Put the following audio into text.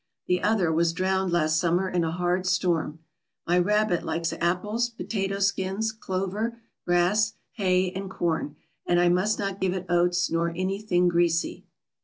The other was drowned last summer in a hard storm. My rabbit likes apples, potato skins, clover, grass, hay, and corn, and I must not give it oats nor anything greasy.